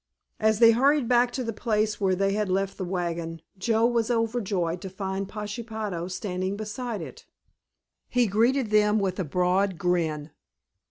As they hurried back to the place where they had left the wagon Joe was overjoyed to find Pashepaho standing beside it. He greeted them with a broad grin.